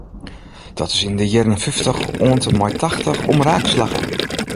Dat is yn de jierren fyftich oant en mei tachtich omraak slagge.